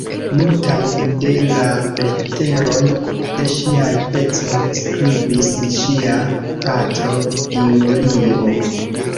Multajn de la literoj de ŝiaj pecoj skribis ŝia patro Giulio.